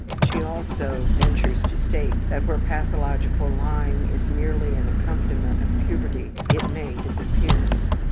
She also ventures to state that where pathological lying is merely an accompaniment of puberty it may disappear.